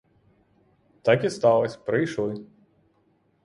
Так і сталось — прийшли.